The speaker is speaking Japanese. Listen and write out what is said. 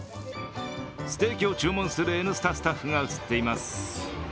ステーキを注文する「Ｎスタ」スタッフが映っています。